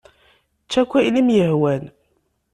Ečč akk ayen i m-yehwan.